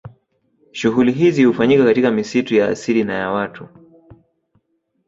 Shughuli hizi hufanyika katika misitu ya asili na ya watu